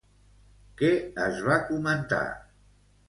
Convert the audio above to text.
Què es va comentar?